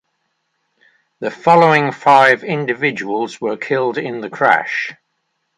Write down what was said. The following five individuals were killed in the crash.